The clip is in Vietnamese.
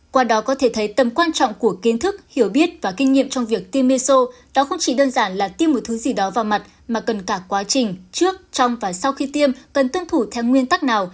qua đó có thể thấy tầm quan trọng của kiến thức hiểu biết và kinh nghiệm trong việc tiêm meso đó không chỉ đơn giản là tiêm một thứ gì đó vào mặt mà cần cả quá trình trước trong và sau khi tiêm cần tuân thủ theo nguyên tắc nào